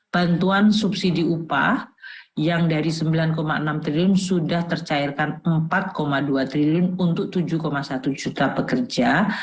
bantuan subsidi upah yang dari rp sembilan enam triliun sudah tercairkan empat dua triliun untuk tujuh satu juta pekerja